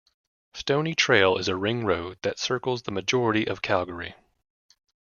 Stoney Trail is a ring road that circles the majority of Calgary.